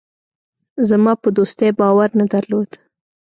زما په دوستۍ باور نه درلود.